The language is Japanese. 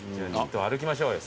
歩きましょうよ